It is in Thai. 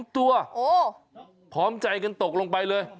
ตัวพร้อมใจกันตกลงไปเลย